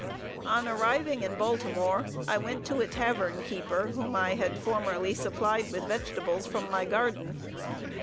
On arriving in Baltimore, I went to a tavern keeper, whom I had formerly supplied with vegetables from my garden.